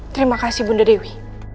terima kasih bunda dewi